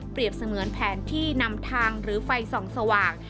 เสมือนแผนที่นำทางหรือไฟส่องสว่าง